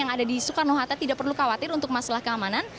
yang ada di soekarno hatta tidak perlu khawatir untuk masalah keamanan